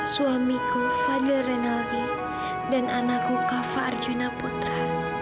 suamiku fadhil rinaldi dan anakku kafa arjuna putra